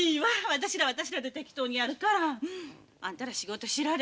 私らは私らで適当にやるからあんたら仕事しられ。